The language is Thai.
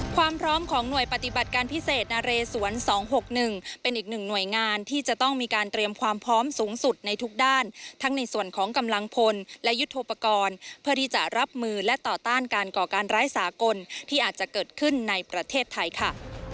ความพร้อมของหน่วยปฏิบัติการพิเศษนะเรสวน๒๖๑เป็นอีกหนึ่งหน่วยงานที่จะต้องมีการเตรียมความพร้อมสูงสุดในทุกด้านทั้งในส่วนของกำลังพลและยุทธโปรกรณ์เพื่อที่จะรับมือและต่อต้านการก่อการร้ายสากลที่อาจจะเกิดขึ้นในประเทศไทยค่ะ